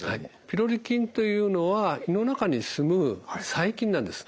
ピロリ菌というのは胃の中に住む細菌なんです。